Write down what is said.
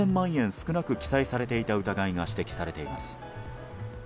少なく記載されていた疑いが指摘されています。